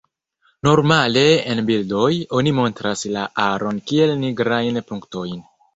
Normale en bildoj, oni montras la aron kiel nigrajn punktojn.